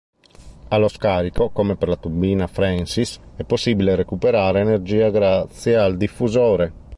Allo scarico, come per la turbina Francis, è possibile recuperare energia grazie al diffusore.